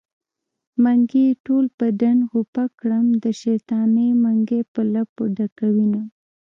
منګي يې ټول په ډنډ غوپه کړم د شيطانۍ منګی په لپو ډکوينه